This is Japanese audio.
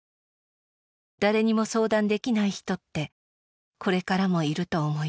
「誰にも相談できない人ってこれからもいると思います」